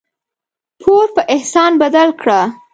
پور په احسان بدل کړه.